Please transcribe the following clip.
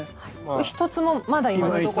一つもまだ今のところ。